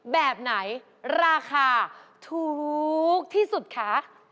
แบบไหนราคาถูกที่สุดคะ